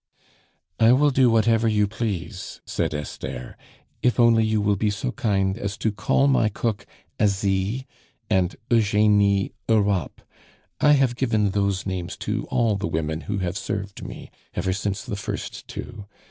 "I will do whatever you please," said Esther, "if only you will be so kind as to call my cook Asie, and Eugenie Europe. I have given those names to all the women who have served me ever since the first two.